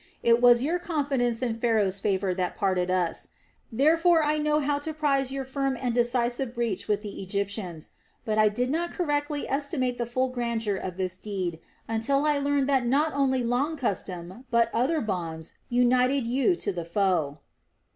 It was your confidence in Pharaoh's favor that parted us therefore I know how to prize your firm and decisive breach with the Egyptians, but I did not correctly estimate the full grandeur of this deed until I learned that not only long custom, but other bonds, united you to the foe."